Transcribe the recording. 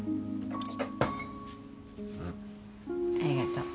ありがとう。